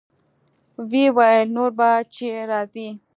ويې ويل نور به چې راځې.